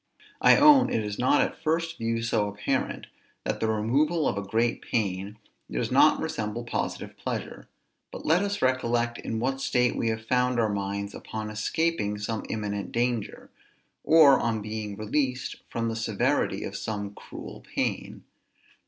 I own it is not at first view so apparent that the removal of a great pain does not resemble positive pleasure: but let us recollect in what state we have found our minds upon escaping some imminent danger, or on being released from the severity of some cruel pain.